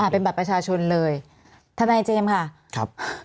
ทนายเจมส์ค่ะ